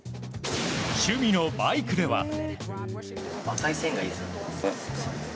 趣味のバイクでは。